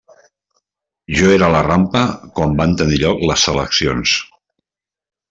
Jo era a la rampa quan van tenir lloc les seleccions.